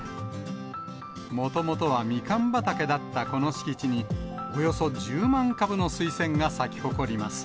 もともとはみかん畑だったこの敷地に、およそ１０万株のスイセンが咲き誇ります。